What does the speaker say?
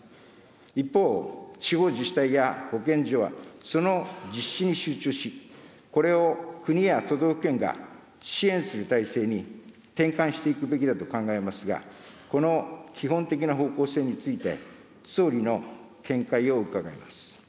一方、地方自治体や保健所はその実施に集中し、これを国や都道府県が支援する体制に転換していくべきだと考えますが、この基本的な方向性について、総理の見解を伺います。